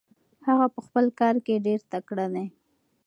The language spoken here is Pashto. هغه په خپل کار کې ډېر تکړه دی.